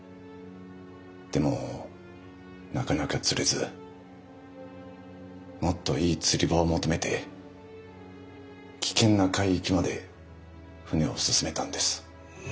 でもなかなか釣れずもっといい釣り場を求めて危険な海域まで船を進めたんです。